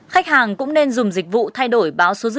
khách hàng cũng nên dùng dịch vụ thay đổi báo số dịch vụ